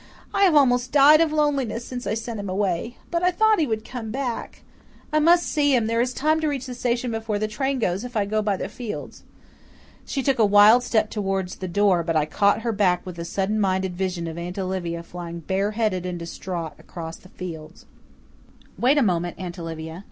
I have almost died of loneliness since I sent him away. But I thought he would come back! I must see him there is time to reach the station before the train goes if I go by the fields." She took a wild step towards the door, but I caught her back with a sudden mind vision of Aunt Olivia flying bareheaded and distraught across the fields. "Wait a moment, Aunt Olivia.